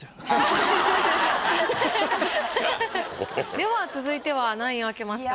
では続いては何位を開けますか？